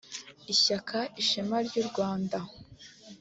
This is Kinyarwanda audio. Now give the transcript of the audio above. Ishyaka Ishema ry’u Rwanda